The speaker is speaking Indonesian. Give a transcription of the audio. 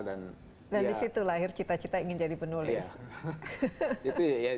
dan di situ lahir cita cita ingin jadi penulis